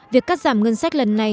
việc cắt giảm ngân sách lần này